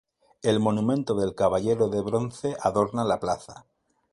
El monumento del Caballero de Bronce adorna la plaza.